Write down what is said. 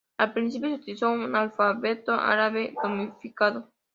Al principio se utilizó un alfabeto árabe modificado.